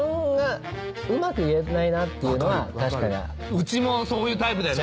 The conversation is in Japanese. うちもそういうタイプだよね。